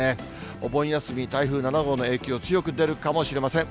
お盆休み、台風７号の影響、強く出るかもしれません。